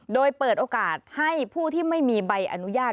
โดยเปิดโอกาสให้ผู้ที่ไม่มีใบอนุญาต